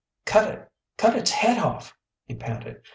"Cut it cut its head off!" he panted.